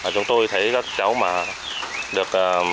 chúng tôi thấy các cháu mà được